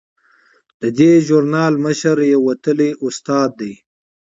د دې ژورنال مشره یوه وتلې استاده ده.